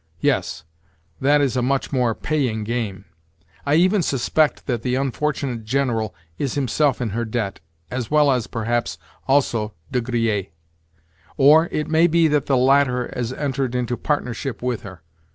Yes, that is a much more paying game. I even suspect that the unfortunate General is himself in her debt, as well as, perhaps, also De Griers. Or, it may be that the latter has entered into a partnership with her.